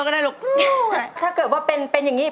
ฮะก็ได้ฮู้ก็อะไรก็ได้อะไรอย่างนี้